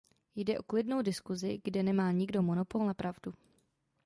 Jde o klidnou diskusi, kde nemá nikdo monopol na pravdu.